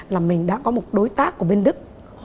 là mình đã có một đối tác của bên đức